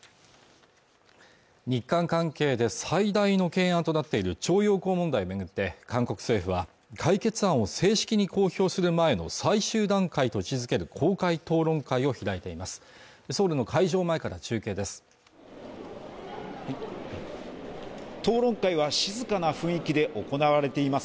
日韓関係で最大の懸案となっている徴用工問題を巡って韓国政府は解決案を正式に公表する前の最終段階と位置付ける公開討論会を開いています